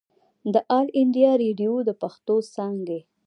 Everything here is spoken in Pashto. د آل انډيا ريډيو د پښتو څانګې